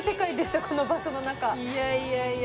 いやいやいや。